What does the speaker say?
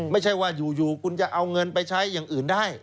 ไม่ใช่ว่าอยู่คุณจะเอาเงินไปใช้อย่างอื่นได้